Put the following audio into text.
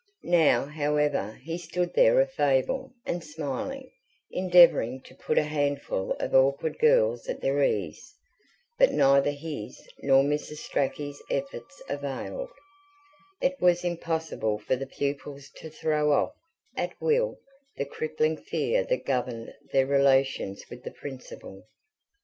Now, however, he stood there affable and smiling, endeavouring to put a handful of awkward girls at their ease. But neither his nor Mrs. Strachey's efforts availed. It was impossible for the pupils to throw off, at will, the crippling fear that governed their relations with the Principal.